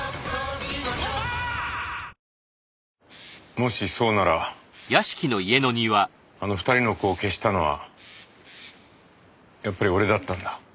もしそうならあの２人の子を消したのはやっぱり俺だったんだ。